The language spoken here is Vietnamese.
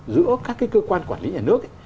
giữa các cái cơ quan quản lý nhà nước